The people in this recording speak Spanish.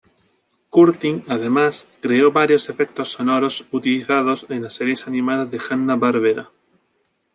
Curtin además creó varios efectos sonoros utilizados en las series animadas de Hanna-Barbera.